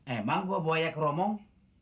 emang gua buaya keromong